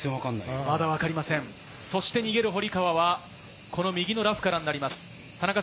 そして逃げる堀川は右のラフからになります。